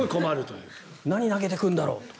何投げてくるんだろうと。